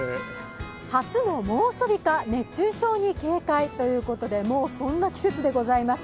初の猛暑日か熱中症に警戒ということでもうそんな季節でございます。